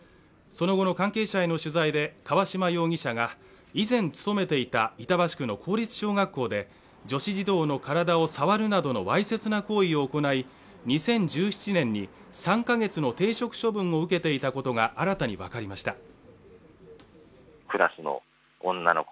その後の関係者への取材で河嶌容疑者が以前勤めていた板橋区の公立小学校で女子児童の体を触るなどのわいせつな行為を行い２０１７年に３カ月の停職処分を受けていたことが新たに分かりました。